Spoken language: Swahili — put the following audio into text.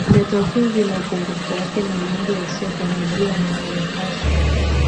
vya takwimu vina upungufu wake na mambo yasiyotarajiwa na vinapaswa